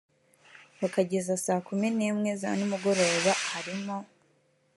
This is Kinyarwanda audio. bakageza saa kumi n imwe za nimugoroba h harimo